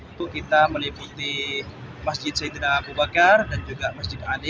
untuk kita meliputi masjid saidina abu bakar dan juga masjid adi